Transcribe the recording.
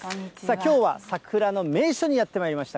きょうは、桜の名所にやってまいりました。